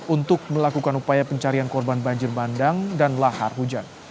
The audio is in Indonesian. untuk melakukan upaya pencarian korban banjir bandang dan lahar hujan